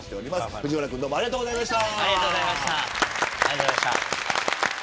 藤原君ありがとうございました。